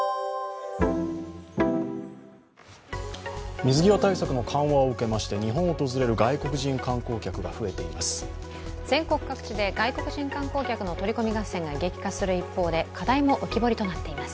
水際対策の緩和を受けまして日本を訪れる外国人観光客が増えています。